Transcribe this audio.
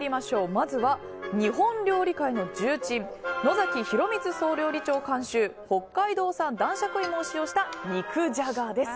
まずは、日本料理界の重鎮野崎洋光総料理長監修北海道産男爵いもを使用した肉じゃがです。